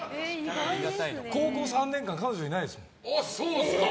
高校３年間、彼女いないですもん。